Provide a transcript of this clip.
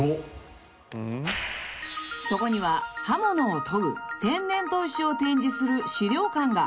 ［そこには刃物を研ぐ天然砥石を展示する資料館が］